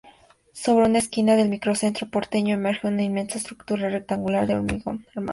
Sobre una esquina del microcentro porteño, emerge una inmensa estructura rectangular de hormigón armado.